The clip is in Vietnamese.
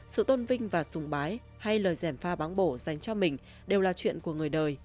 sự tôn vinh và sùng bái hay lời dèm pha báng bổ dành cho mình đều là chuyện của người đời